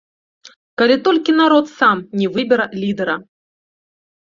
Калі толькі народ сам не выбера лідэра.